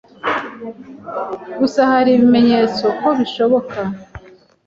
Gusa hari ibimenyetso ko bishoboka